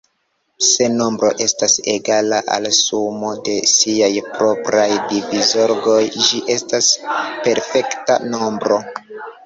Se nombro estas egala al sumo de siaj propraj divizoroj, ĝi estas perfekta nombro.